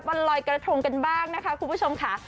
วันลอยกระทงกันบ้างนะคะคุณผู้ชมค่ะ